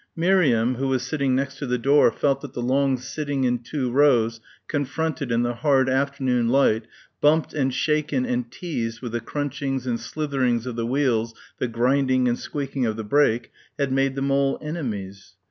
Miriam who was sitting next to the door felt that the long sitting in two rows confronted in the hard afternoon light, bumped and shaken and teased with the crunchings and slitherings of the wheels the grinding and squeaking of the brake, had made them all enemies.